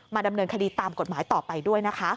ดำเนินคดีตามกฎหมายต่อไปด้วยนะคะ